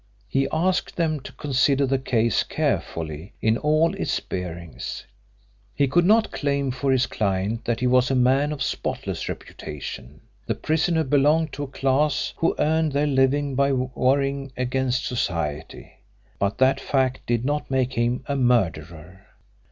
He asked them to consider the case carefully in all its bearings. He could not claim for his client that he was a man of spotless reputation. The prisoner belonged to a class who earned their living by warring against society. But that fact did not make him a murderer.